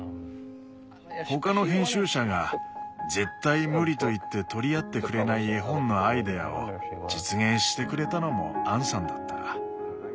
他の編集者が「絶対無理」と言って取り合ってくれない絵本のアイデアを実現してくれたのもアンさんだった。